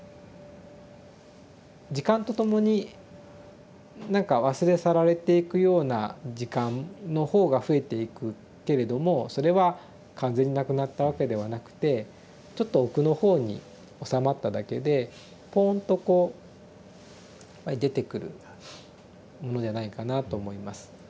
時間とともに何か忘れ去られていくような時間の方が増えていくけれどもそれは完全になくなったわけではなくてちょっと奥の方におさまっただけでぽんとこう出てくるものじゃないかなと思います。